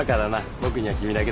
僕には君だけだよ。